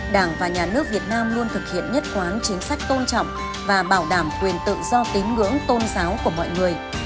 đảng và nhà nước việt nam luôn thực hiện nhất quán chính sách tôn trọng và bảo đảm quyền tự do tín ngưỡng tôn giáo của mọi người